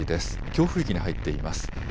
強風域に入っています。